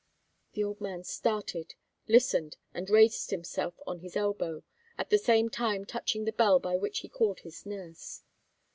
The old man started, listened, and raised himself on his elbow, at the same time touching the bell by which he called his nurse.